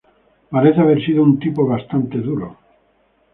Parece haber sido un tipo bastante duro.